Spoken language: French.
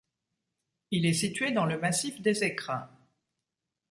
Il est situé dans le massif des Écrins.